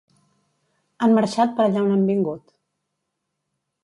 Han marxat per allà on han vingut